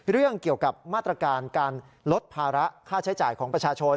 เรื่องเกี่ยวกับมาตรการการลดภาระค่าใช้จ่ายของประชาชน